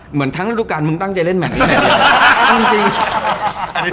เหมือนทั้งระดุการมึงตั้งใจเล่นแม่นกับแม่น